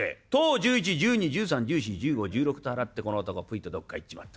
「１０１１１２１３１４１５１６」と払ってこの男ぷいとどっか行っちまった。